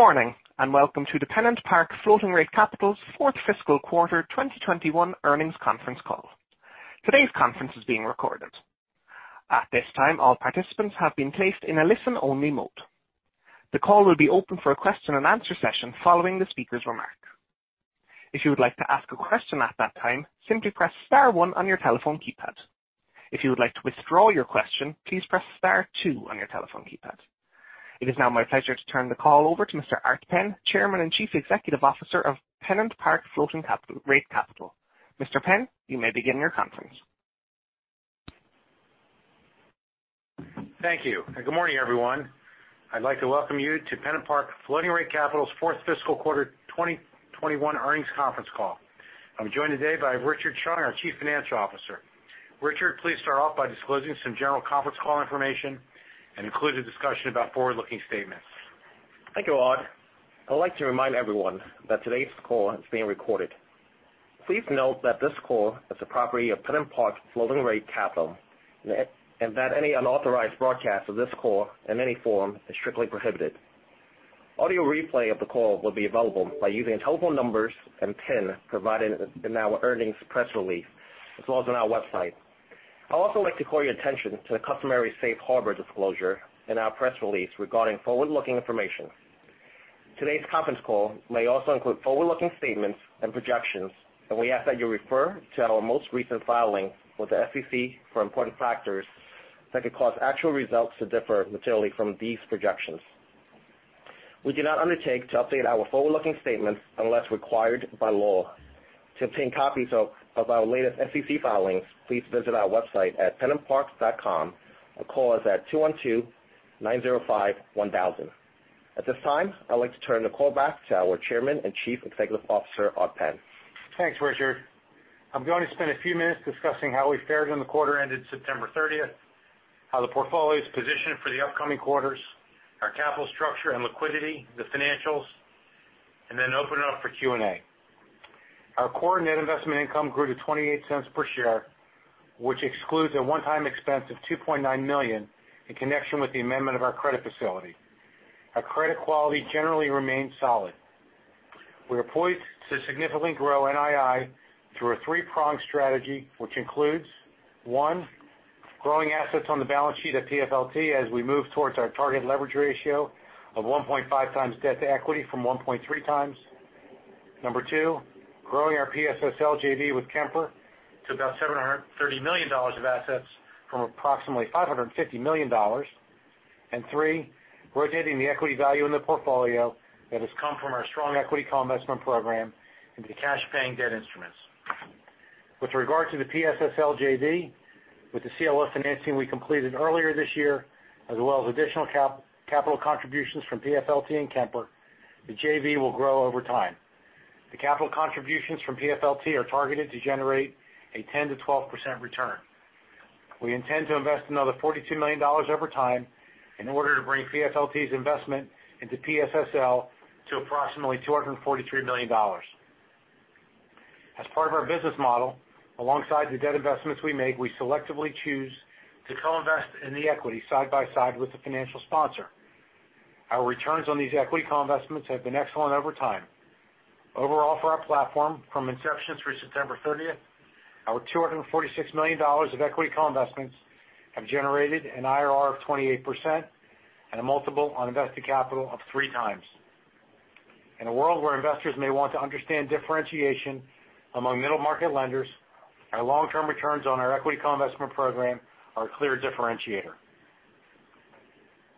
Good morning, and welcome to the PennantPark Floating Rate Capital's fourth fiscal quarter 2021 earnings conference call. Today's conference is being recorded. At this time, all participants have been placed in a listen-only mode. The call will be open for a question-and-answer session following the speaker's remark. If you would like to ask a question at that time, simply press star one on your telephone keypad. If you would like to withdraw your question, please press star two on your telephone keypad. It is now my pleasure to turn the call over to Mr. Art Penn, Chairman and Chief Executive Officer of PennantPark Floating Rate Capital. Mr. Penn, you may begin your conference. Thank you, and good morning, everyone. I'd like to welcome you to PennantPark Floating Rate Capital's fourth fiscal quarter 2021 earnings conference call. I'm joined today by Richard Allorto, our Chief Financial Officer. Richard, please start off by disclosing some general conference call information and include a discussion about forward-looking statements. Thank you, Art. I'd like to remind everyone that today's call is being recorded. Please note that this call is the property of PennantPark Floating Rate Capital, and that any unauthorized broadcast of this call in any form is strictly prohibited. Audio replay of the call will be available by using telephone numbers and PIN provided in our earnings press release as well as on our website. I'd also like to call your attention to the customary safe harbor disclosure in our press release regarding forward-looking information. Today's conference call may also include forward-looking statements and projections, and we ask that you refer to our most recent filing with the SEC for important factors that could cause actual results to differ materially from these projections. We do not undertake to update our forward-looking statements unless required by law. To obtain copies of our latest SEC filings, please visit our website at pennantpark.com or call us at 212-905-1000. At this time, I'd like to turn the call back to our Chairman and Chief Executive Officer, Art Penn. Thanks, Richard. I'm going to spend a few minutes discussing how we fared on the quarter ended September 30th, how the portfolio is positioned for the upcoming quarters, our capital structure and liquidity, the financials, and then open it up for Q&A. Our core net investment income grew to $0.28 per share, which excludes a one-time expense of $2.9 million in connection with the amendment of our credit facility. Our credit quality generally remains solid. We are poised to significantly grow NII through a three-pronged strategy, which includes, one, growing assets on the balance sheet of PFLT as we move towards our target leverage ratio of 1.5x debt to equity from 1.3x. Number two, growing our PSSL JV with Kemper to about $730 million of assets from approximately $550 million. Three, rotating the equity value in the portfolio that has come from our strong equity co-investment program into cash-paying debt instruments. With regard to the PSSL JV, with the CLO financing we completed earlier this year, as well as additional capital contributions from PFLT and Kemper, the JV will grow over time. The capital contributions from PFLT are targeted to generate a 10%-12% return. We intend to invest another $42 million over time in order to bring PFLT's investment into PSSL to approximately $243 million. As part of our business model, alongside the debt investments we make, we selectively choose to co-invest in the equity side by side with the financial sponsor. Our returns on these equity co-investments have been excellent over time. Overall, for our platform from inception through September 30th, our $246 million of equity co-investments have generated an IRR of 28% and a multiple on invested capital of 3x. In a world where investors may want to understand differentiation among middle market lenders, our long-term returns on our equity co-investment program are a clear differentiator.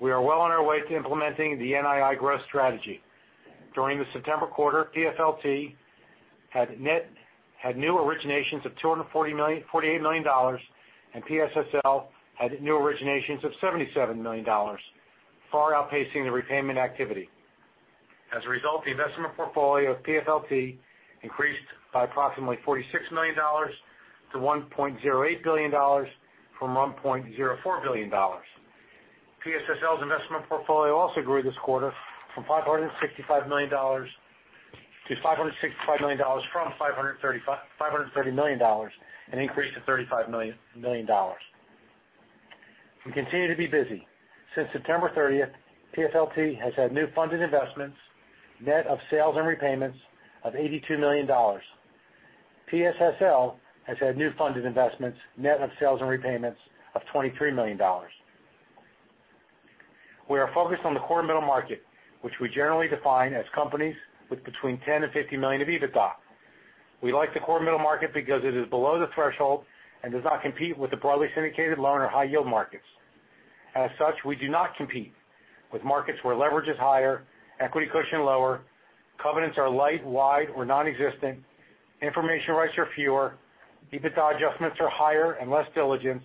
We are well on our way to implementing the NII growth strategy. During the September quarter, PFLT had new originations of $48 million, and PSSL had new originations of $77 million, far outpacing the repayment activity. As a result, the investment portfolio of PFLT increased by approximately $46 million to $1.08 billion from $1.04 billion. PSSL's investment portfolio also grew this quarter from $530 million to $565 million, an increase of $35 million. We continue to be busy. Since September thirtieth, PFLT has had new funded investments, net of sales and repayments of $82 million. PSSL has had new funded investments, net of sales and repayments of $23 million. We are focused on the core middle market, which we generally define as companies with between 10 and 50 million of EBITDA. We like the core middle market because it is below the threshold and does not compete with the broadly syndicated loan or high yield markets. As such, we do not compete with markets where leverage is higher, equity cushion lower, covenants are light, wide or non-existent, information rights are fewer, EBITDA adjustments are higher and less diligent,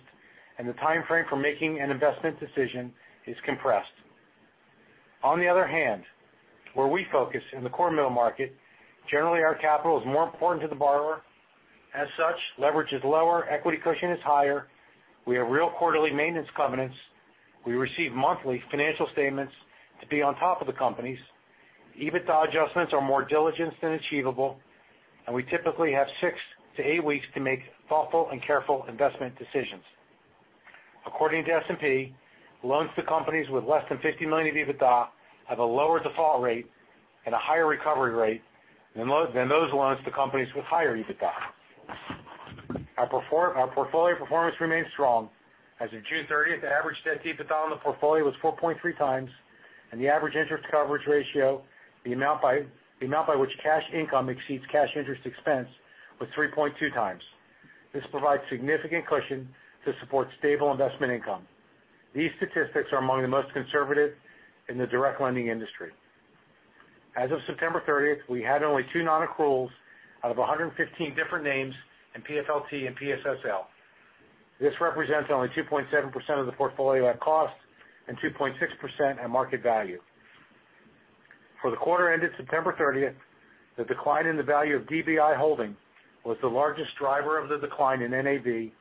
and the timeframe for making an investment decision is compressed. On the other hand, where we focus in the core middle market, generally, our capital is more important to the borrower. As such, leverage is lower, equity cushion is higher. We have real quarterly maintenance covenants. We receive monthly financial statements to be on top of the companies. EBITDA adjustments are more diligent than achievable, and we typically have six to eight weeks to make thoughtful and careful investment decisions. According to S&P, loans to companies with less than 50 million of EBITDA have a lower default rate and a higher recovery rate than those loans to companies with higher EBITDA. Our portfolio performance remains strong. As of June 30, the average debt-to-EBITDA on the portfolio was 4.3x, and the average interest coverage ratio, the amount by which cash income exceeds cash interest expense, was 3.2x. This provides significant cushion to support stable investment income. These statistics are among the most conservative in the direct lending industry. As of September 30, we had only two non-accruals out of 115 different names in PFLT and PSSL. This represents only 2.7% of the portfolio at cost and 2.6% at market value. For the quarter ended September 30th, the decline in the value of DBI Holding was the largest driver of the decline in NAV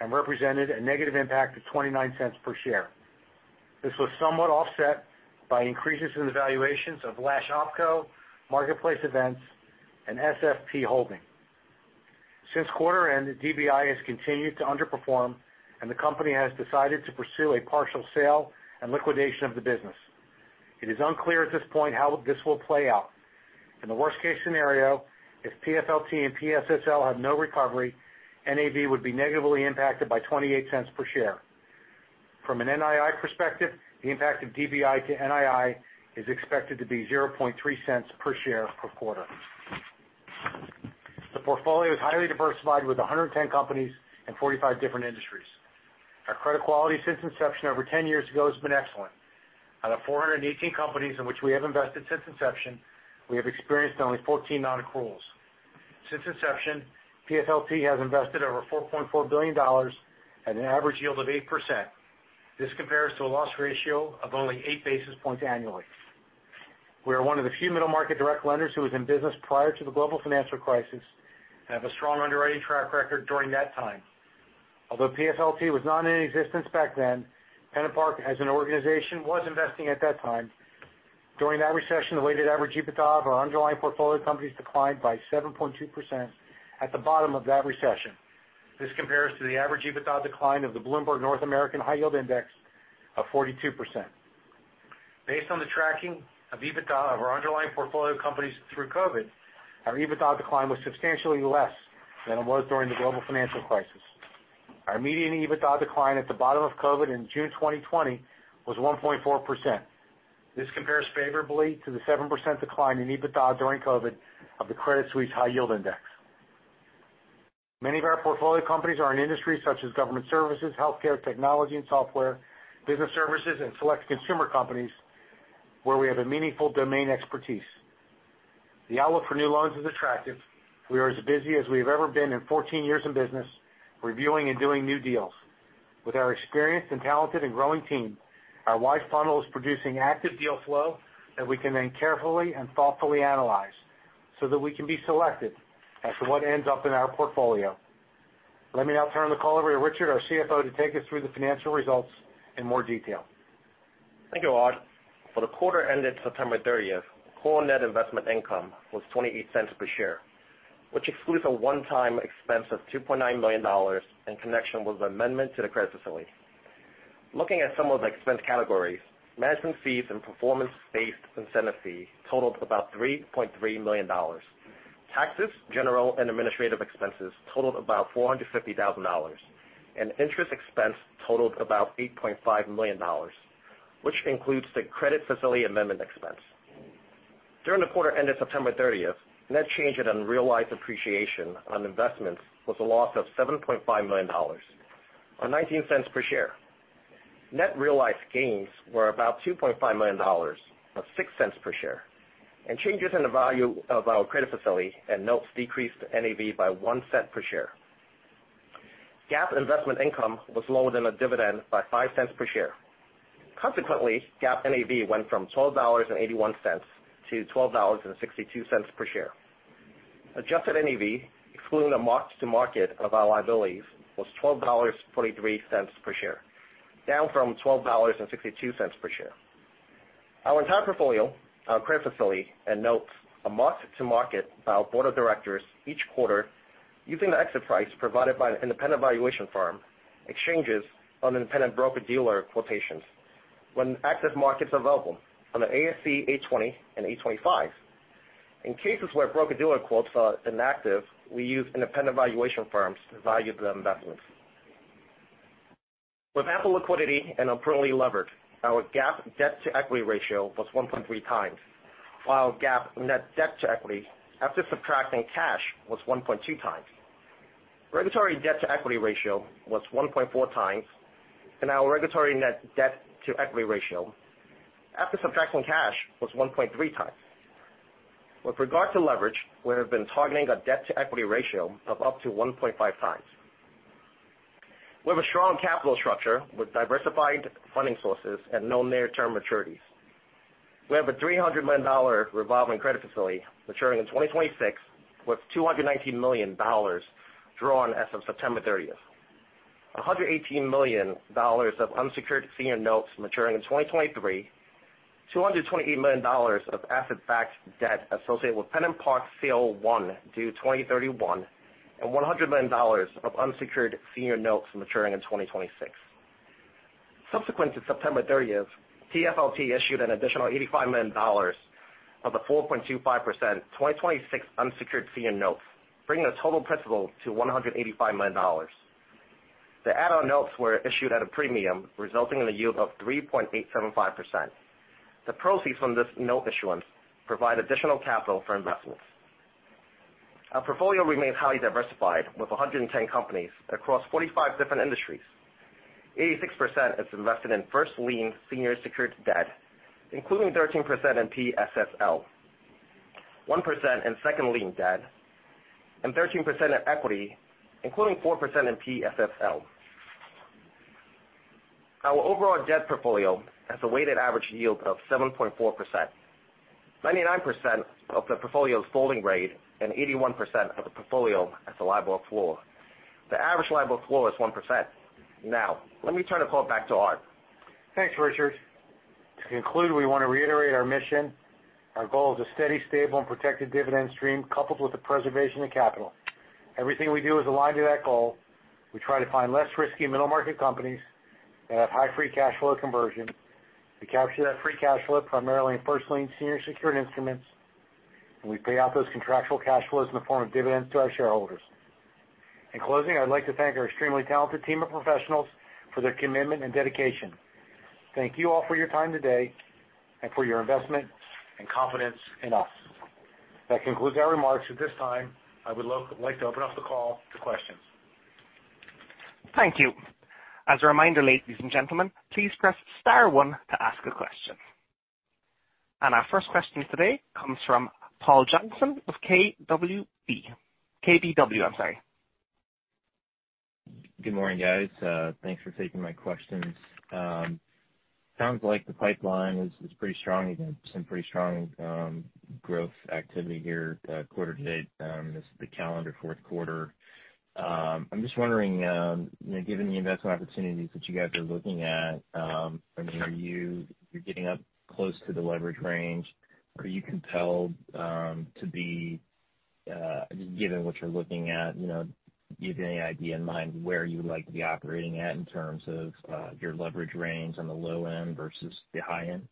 and represented a negative impact of $0.29 per share. This was somewhat offset by increases in the valuations of Lash OpCo, Marketplace Events, and SFP Holding. Since quarter end, DBI has continued to underperform, and the company has decided to pursue a partial sale and liquidation of the business. It is unclear at this point how this will play out. In the worst case scenario, if PFLT and PSSL have no recovery, NAV would be negatively impacted by $0.28 per share. From an NII perspective, the impact of DBI to NII is expected to be $0.003 per share per quarter. The portfolio is highly diversified with 110 companies and 45 different industries. Our credit quality since inception over 10 years ago has been excellent. Out of 418 companies in which we have invested since inception, we have experienced only 14 non-accruals. Since inception, PFLT has invested over $4.4 billion at an average yield of 8%. This compares to a loss ratio of only 8 basis points annually. We are one of the few middle market direct lenders who was in business prior to the global financial crisis and have a strong underwriting track record during that time. Although PFLT was not in existence back then, PennantPark as an organization was investing at that time. During that recession, the weighted average EBITDA of our underlying portfolio companies declined by 7.2% at the bottom of that recession. This compares to the average EBITDA decline of the Bloomberg North American High Yield Index of 42%. Based on the tracking of EBITDA of our underlying portfolio companies through COVID, our EBITDA decline was substantially less than it was during the global financial crisis. Our median EBITDA decline at the bottom of COVID in June 2020 was 1.4%. This compares favorably to the 7% decline in EBITDA during COVID of the Credit Suisse High Yield Index. Many of our portfolio companies are in industries such as government services, healthcare, technology and software, business services, and select consumer companies where we have a meaningful domain expertise. The outlook for new loans is attractive. We are as busy as we have ever been in 14 years in business, reviewing and doing new deals. With our experienced and talented and growing team, our wide funnel is producing active deal flow that we can then carefully and thoughtfully analyze so that we can be selected as to what ends up in our portfolio. Let me now turn the call over to Richard, our CFO, to take us through the financial results in more detail. Thank you, Art. For the quarter ended September 30th, core net investment income was $0.28 per share, which excludes a one-time expense of $2.9 million in connection with the amendment to the credit facility. Looking at some of the expense categories, management fees and performance-based incentive fee totaled about $3.3 million. Taxes, general, and administrative expenses totaled about $450,000, and interest expense totaled about $8.5 million, which includes the credit facility amendment expense. During the quarter ended September 30th, net change in unrealized appreciation on investments was a loss of $7.5 million or $0.19 per share. Net realized gains were about $2.5 million or $0.06 per share, and changes in the value of our credit facility and notes decreased NAV by $0.01 per share. GAAP investment income was lower than the dividend by $0.05 per share. Consequently, GAAP NAV went from $12.81 to $12.62 per share. Adjusted NAV, excluding a mark-to-market of our liabilities, was $12.43 per share, down from $12.62 per share. Our entire portfolio, our credit facility, and notes are marked to market by our board of directors each quarter using the exit price provided by an independent valuation firm, except on independent broker-dealer quotations when active markets are available, under ASC 820 and 825. In cases where broker-dealer quotes are inactive, we use independent valuation firms to value the investments. With ample liquidity and appropriately levered, our GAAP debt-to-equity ratio was 1.3x, while GAAP net debt-to-equity after subtracting cash was 1.2x. Regulatory debt-to-equity ratio was 1.4x, and our regulatory net debt-to-equity ratio after subtracting cash was 1.3x. With regard to leverage, we have been targeting a debt-to-equity ratio of up to 1.5x. We have a strong capital structure with diversified funding sources and no near-term maturities. We have a $300 million revolving credit facility maturing in 2026, with $219 million drawn as of September 30th. $118 million of unsecured senior notes maturing in 2023. $228 million of asset-backed debt associated with PennantPark CLO I due 2031 and $100 million of unsecured senior notes maturing in 2026. Subsequent to September 30th, PFLT issued an additional $85 million of the 4.25% 2026 unsecured senior notes, bringing the total principal to $185 million. The add-on notes were issued at a premium, resulting in a yield of 3.875%. The proceeds from this note issuance provide additional capital for investments. Our portfolio remains highly diversified with 110 companies across 45 different industries. 86% is invested in first lien senior secured debt, including 13% in PSSL, 1% in second lien debt, and 13% in equity, including 4% in PSSL. Our overall debt portfolio has a weighted average yield of 7.4%. 99% of the portfolio is floating rate and 81% of the portfolio has a LIBOR floor. The average LIBOR floor is 1%. Now, let me turn the call back to Art. Thanks, Richard. To conclude, we wanna reiterate our mission. Our goal is a steady, stable and protected dividend stream, coupled with the preservation of capital. Everything we do is aligned to that goal. We try to find less risky middle market companies that have high free cash flow conversion. We capture that free cash flow primarily in first lien senior secured instruments, and we pay out those contractual cash flows in the form of dividends to our shareholders. In closing, I'd like to thank our extremely talented team of professionals for their commitment and dedication. Thank you all for your time today and for your investment and confidence in us. That concludes our remarks. At this time, I would like to open up the call to questions. Thank you. As a reminder, ladies and gentlemen, please press star one to ask a question. Our first question today comes from Paul Johnson of KBW, I'm sorry. Good morning, guys. Thanks for taking my questions. Sounds like the pipeline is pretty strong. You've got some pretty strong growth activity here, quarter to date, this is the calendar fourth quarter. I'm just wondering, you know, given the investment opportunities that you guys are looking at, I mean, you're getting up close to the leverage range. Are you compelled to be, given what you're looking at, you know, do you have any idea in mind where you would like to be operating at in terms of, your leverage range on the low end versus the high end?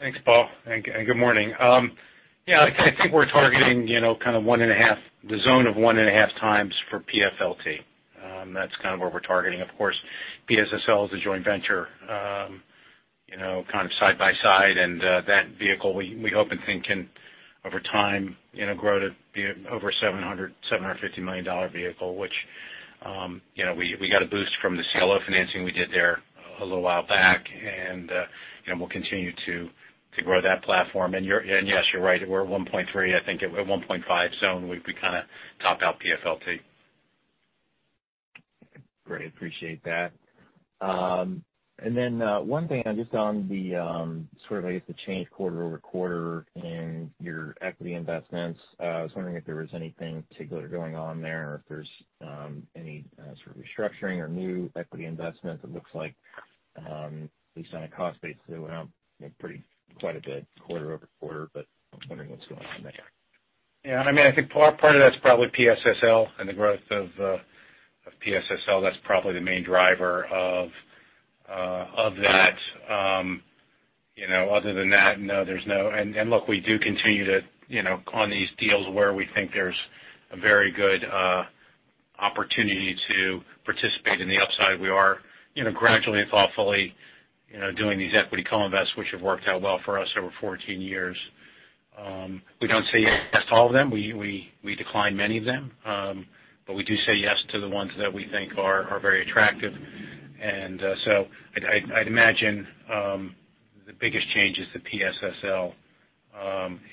Thanks, Paul, good morning. Yeah, I think we're targeting, you know, kind of the zone of 1.5x for PFLT. That's kind of where we're targeting. Of course, PSSL is a joint venture, you know, kind of side by side. That vehicle we hope and think can over time, you know, grow to be over $750 million vehicle, which, you know, we got a boost from the CLO financing we did there a little while back. You know, we'll continue to grow that platform. Yes, you're right, we're at 1.3. I think at 1.5 zone, we kinda top out PFLT. Great. Appreciate that. One thing just on the sort of, I guess, the change quarter-over-quarter in your equity investments. I was wondering if there was anything particular going on there or if there's any sort of restructuring or new equity investment that looks like, at least on a cost basis, went up, you know, pretty quite a bit quarter-over-quarter. I'm wondering what's going on there. Yeah, I mean, I think part of that's probably PSSL and the growth of PSSL. That's probably the main driver of that. Other than that, no. Look, we do continue to, you know, on these deals where we think there's a very good opportunity to participate in the upside. We are, you know, gradually and thoughtfully, you know, doing these equity co-invests, which have worked out well for us over 14 years. We don't say yes to all of them. We decline many of them. But we do say yes to the ones that we think are very attractive. So I'd imagine the biggest change is the PSSL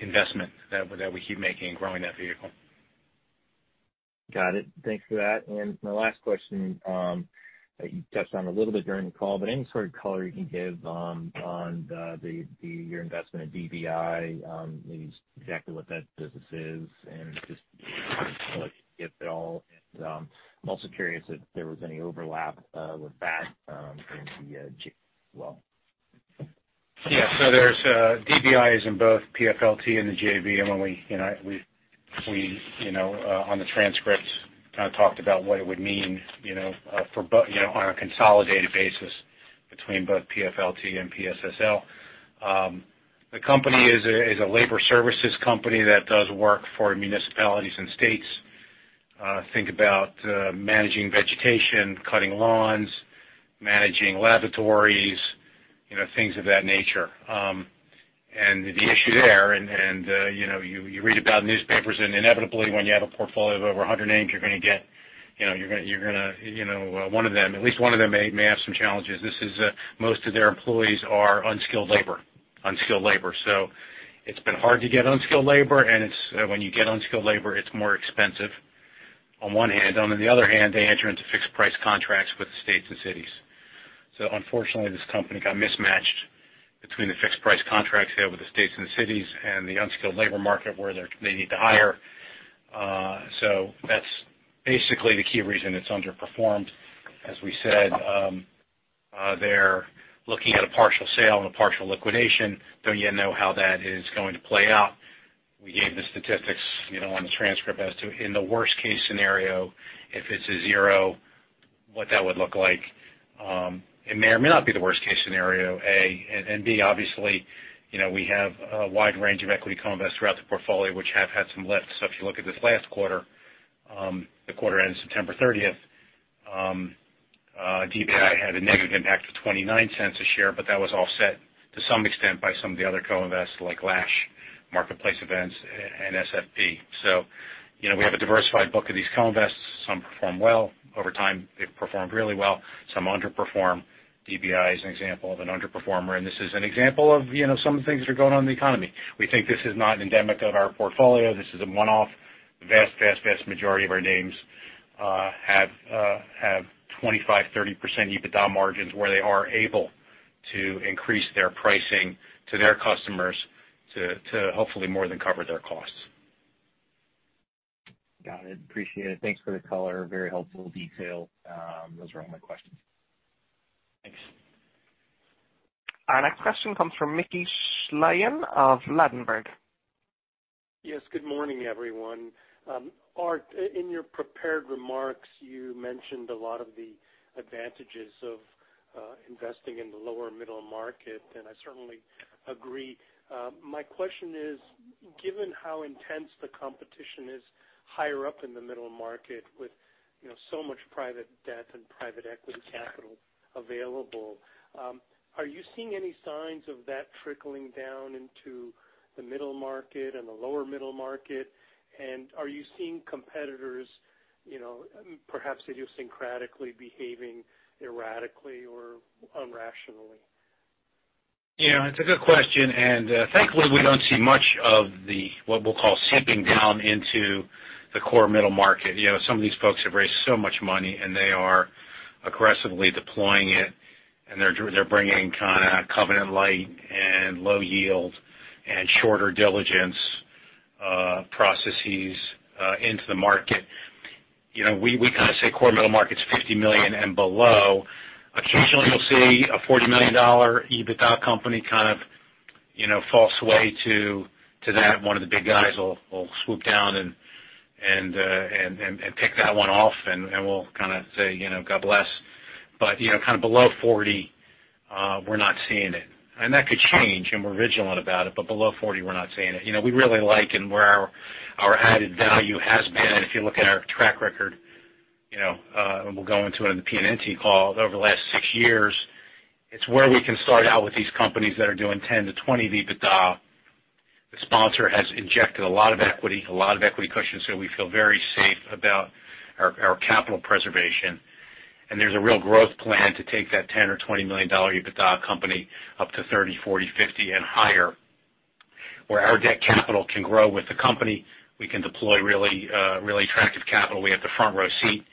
investment that we keep making in growing that vehicle. Got it. Thanks for that. My last question, you touched on a little bit during the call, but any sort of color you can give on your investment in DBI, maybe exactly what that business is and just if at all. I'm also curious if there was any overlap with that in the JV. Yeah. There's DBI in both PFLT and the JV. When we, you know, we on the transcripts kinda talked about what it would mean, you know, for you know, on a consolidated basis between both PFLT and PSSL. The company is a labor services company that does work for municipalities and states. Think about managing vegetation, cutting lawns, managing laboratories, you know, things of that nature. The issue there and you know, you read about newspapers and inevitably when you have a portfolio of over a hundred names, you're gonna get, you know, one of them, at least one of them may have some challenges. This is most of their employees are unskilled labor. It's been hard to get unskilled labor and it's, when you get unskilled labor, it's more expensive on one hand. On the other hand, they enter into fixed price contracts with the states and cities. Unfortunately, this company got mismatched between the fixed price contracts they have with the states and the cities and the unskilled labor market where they need to hire. That's basically the key reason it's underperformed. As we said, they're looking at a partial sale and a partial liquidation. Don't yet know how that is going to play out. We gave the statistics, you know, on the transcript as to, in the worst case scenario, if it's a zero, what that would look like. It may or may not be the worst case scenario, A, and B, obviously, you know, we have a wide range of equity co-invest throughout the portfolio, which have had some lifts. If you look at this last quarter, the quarter ended September 30th, DBI had a negative impact of $0.29 a share, but that was offset to some extent by some of the other co-invest, like Lash, Marketplace Events and SFP. You know, we have a diversified book of these co-invest. Some perform well. Over time, they've performed really well. Some underperform. DBI is an example of an underperformer, and this is an example of, you know, some of the things that are going on in the economy. We think this is not endemic of our portfolio. This is a one-off. The vast majority of our names have 25%-30% EBITDA margins, where they are able to increase their pricing to their customers to hopefully more than cover their costs. Got it. Appreciate it. Thanks for the color. Very helpful detail. Those are all my questions. Thanks. Our next question comes from Mickey Schleien of Ladenburg. Yes, good morning, everyone. Art, in your prepared remarks, you mentioned a lot of the advantages of investing in the lower middle market, and I certainly agree. My question is, given how intense the competition is higher up in the middle market with, you know, so much private debt and private equity capital available, are you seeing any signs of that trickling down into the middle market and the lower middle market? And are you seeing competitors, you know, perhaps idiosyncratically behaving erratically or irrationally? Yeah, it's a good question, and thankfully, we don't see much of the, what we'll call, seeping down into the core middle market. You know, some of these folks have raised so much money, and they are aggressively deploying it, and they're bringing kinda covenant light and low yield and shorter diligence processes into the market. You know, we kinda say core middle market's $50 million and below. Occasionally, you'll see a $40 million EBITDA company kind of, you know, fall sway to that. One of the big guys will swoop down and pick that one off, and we'll kinda say, you know, "God bless." But, you know, kind of below 40, we're not seeing it. That could change, and we're vigilant about it, but below 40 we're not seeing it. You know, we really like and where our added value has been, if you look at our track record, you know, and we'll go into it in the PNNT call over the last six years. It's where we can start out with these companies that are doing 10-20 EBITDA. The sponsor has injected a lot of equity, a lot of equity cushion, so we feel very safe about our capital preservation. There's a real growth plan to take that $10 million or $20 million EBITDA company up to 30, 40, 50 and higher. Where our debt capital can grow with the company, we can deploy really, really attractive capital. We have the front row seat.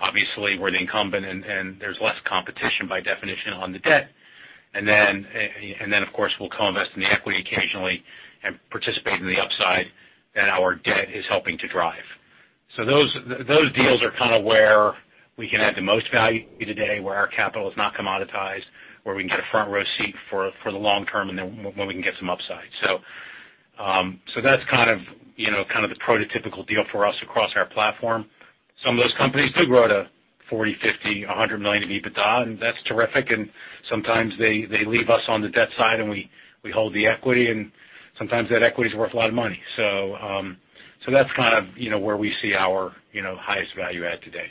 Obviously, we're the incumbent, and there's less competition by definition on the debt. Of course, we'll co-invest in the equity occasionally and participate in the upside that our debt is helping to drive. Those deals are kinda where we can add the most value today, where our capital is not commoditized, where we can get a front row seat for the long term, and then when we can get some upside. That's kind of, you know, kind of the prototypical deal for us across our platform. Some of those companies do grow to 40, 50, 100 million in EBITDA, and that's terrific, and sometimes they leave us on the debt side, and we hold the equity, and sometimes that equity's worth a lot of money. That's kind of, you know, where we see our, you know, highest value add today.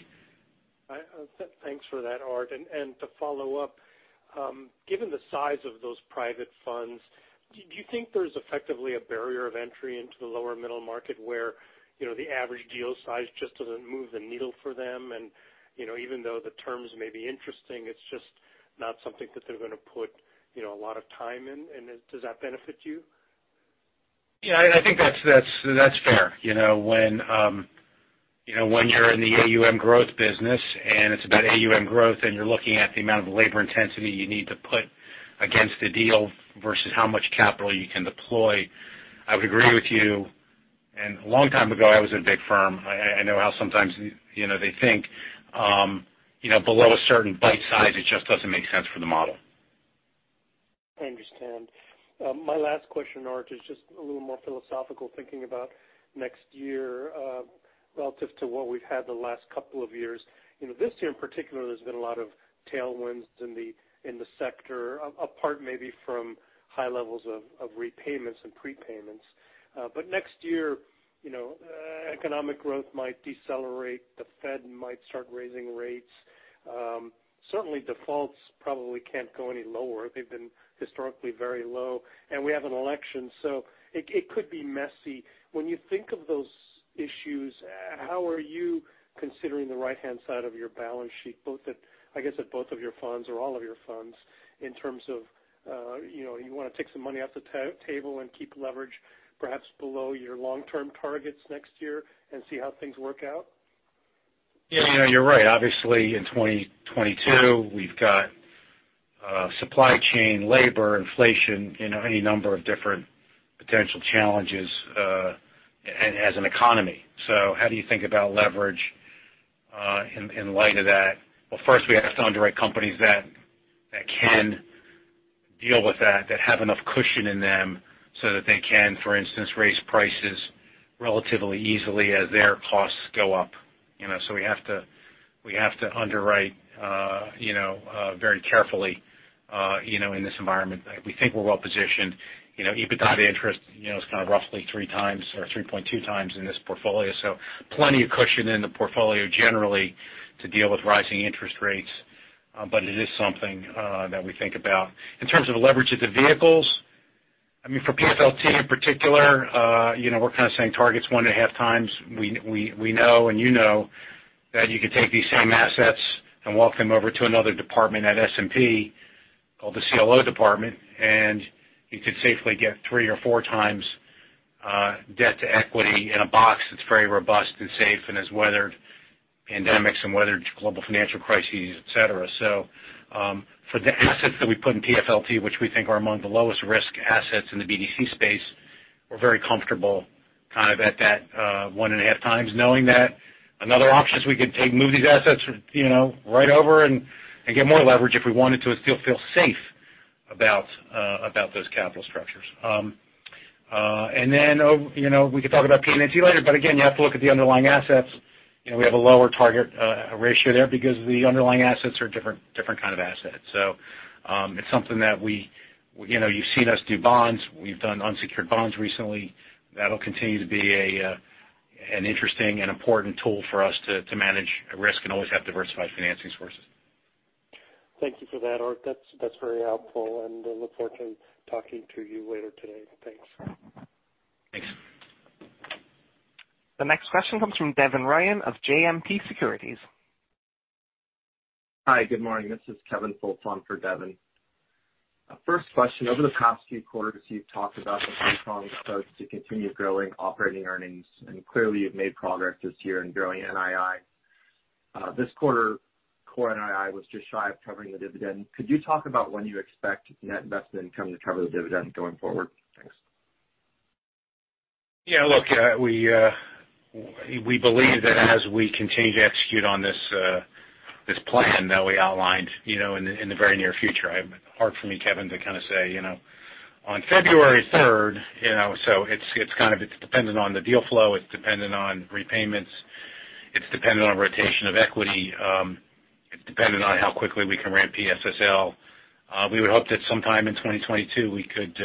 Thanks for that, Art. To follow up, given the size of those private funds, do you think there's effectively a barrier of entry into the lower middle market where, you know, the average deal size just doesn't move the needle for them? You know, even though the terms may be interesting, it's just not something that they're gonna put, you know, a lot of time in, and does that benefit you? Yeah, I think that's fair. You know, when you know, when you're in the AUM growth business, and it's about AUM growth, and you're looking at the amount of labor intensity you need to put against a deal versus how much capital you can deploy, I would agree with you. A long time ago, I was at a big firm. I know how sometimes, you know, they think, you know, below a certain bite size, it just doesn't make sense for the model. I understand. My last question, Art, is just a little more philosophical thinking about next year, relative to what we've had the last couple of years. You know, this year in particular, there's been a lot of tailwinds in the sector, apart maybe from high levels of repayments and prepayments. Next year, you know, economic growth might decelerate. The Fed might start raising rates. Certainly defaults probably can't go any lower. They've been historically very low. We have an election, so it could be messy. When you think of those issues, how are you considering the right-hand side of your balance sheet, both at, I guess, at both of your funds or all of your funds in terms of, you know, you wanna take some money off the table and keep leverage perhaps below your long-term targets next year and see how things work out? Yeah, you know, you're right. Obviously, in 2022, we've got supply chain, labor, inflation, you know, any number of different potential challenges as an economy. How do you think about leverage in light of that? Well, first, we have to underwrite companies that can deal with that that have enough cushion in them so that they can, for instance, raise prices relatively easily as their costs go up, you know. We have to underwrite, you know, very carefully, you know, in this environment. We think we're well-positioned. You know, EBITDA interest, you know, is kind of roughly 3x or 3.2x in this portfolio, so plenty of cushion in the portfolio generally to deal with rising interest rates. It is something that we think about. In terms of the leverage of the vehicles, I mean, for PFLT in particular, you know, we're kind of saying targets 1.5x. We know and you know that you could take these same assets and walk them over to another department at S&P called the CLO department, and you could safely get 3x or 4x, debt to equity in a box that's very robust and safe and has weathered pandemics and weathered global financial crises, et cetera. For the assets that we put in PFLT, which we think are among the lowest risk assets in the BDC space, we're very comfortable kind of at that 1.5x, knowing that another option is we could take move these assets, you know, right over and get more leverage if we wanted to and still feel safe about those capital structures. You know, we could talk about PNNT later, but again, you have to look at the underlying assets. You know, we have a lower target ratio there because the underlying assets are different kind of assets. You know, you've seen us do bonds. We've done unsecured bonds recently. That'll continue to be an interesting and important tool for us to manage risk and always have diversified financing sources. Thank you for that, Art. That's very helpful, and I look forward to talking to you later today. Thanks. Thanks. The next question comes from Devin Ryan of JMP Securities. Hi, good morning. This is Kevin Fulton for Devin. First question, over the past few quarters, you've talked about the platform's approach to continue growing operating earnings, and clearly you've made progress this year in growing NII. This quarter, core NII was just shy of covering the dividend. Could you talk about when you expect net investment income to cover the dividend going forward? Thanks. Yeah, look, we believe that as we continue to execute on this plan that we outlined, you know, in the very near future. Hard for me, Kevin, to kind of say, you know, on February third, you know. It's kind of dependent on the deal flow, it's dependent on repayments, it's dependent on rotation of equity, it's dependent on how quickly we can ramp PSSL. We would hope that sometime in 2022 we could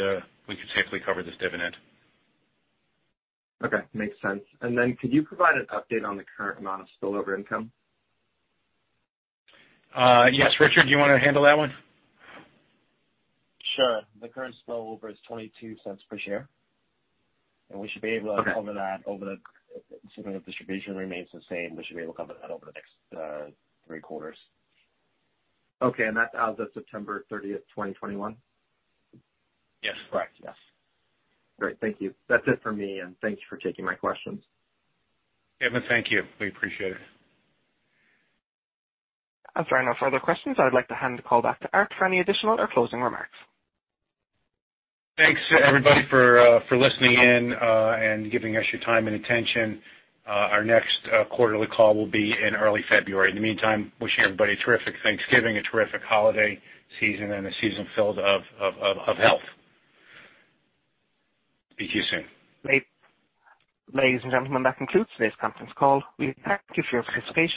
safely cover this dividend. Okay. Makes sense. Could you provide an update on the current amount of spillover income? Yes. Richard, do you wanna handle that one? Sure. The current spillover is $0.22 per share, and assuming the distribution remains the same, we should be able to cover that over the next 3 quarters. Okay. That's as of September 30th, 2021? Yes, correct. Yes. Great. Thank you. That's it for me, and thank you for taking my questions. Kevin, thank you. We appreciate it. After no further questions, I would like to hand the call back to Art for any additional or closing remarks. Thanks, everybody, for listening in and giving us your time and attention. Our next quarterly call will be in early February. In the meantime, wishing everybody a terrific Thanksgiving, a terrific holiday season, and a season filled of health. Speak to you soon. Ladies and gentlemen, that concludes today's conference call. We thank you for your participation.